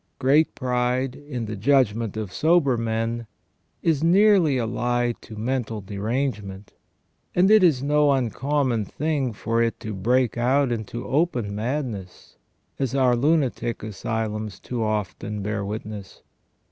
Great pride, in the judgment of sober men, is nearly allied to mental derangement ; and it is no uncommon thing for it to break out into open madness, as our lunatic asylums too often bear witness.